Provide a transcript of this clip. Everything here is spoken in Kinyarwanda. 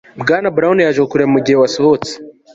Bwana Brown yaje kukureba mugihe wasohotse